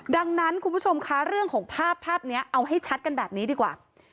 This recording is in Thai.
ดังนั้นคุณผู้ชมคะเรื่องของภาพภาพนี้เอาให้ชัดกันแบบนี้ดีกว่า